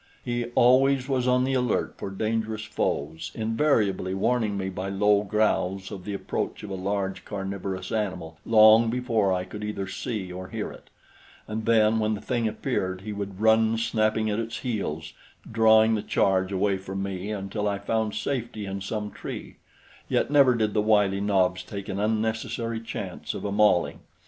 He always was on the alert for dangerous foes, invariably warning me by low growls of the approach of a large carnivorous animal long before I could either see or hear it, and then when the thing appeared, he would run snapping at its heels, drawing the charge away from me until I found safety in some tree; yet never did the wily Nobs take an unnecessary chance of a mauling.